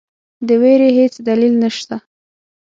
د وېرې هیڅ دلیل نسته.